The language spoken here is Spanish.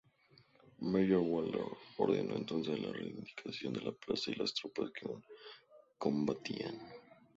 Meyer-Waldeck ordenó entonces la rendición de la plaza y las tropas que aún combatían.